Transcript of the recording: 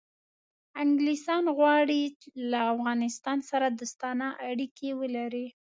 انګلیسان غواړي له افغانستان سره دوستانه اړیکې ولري.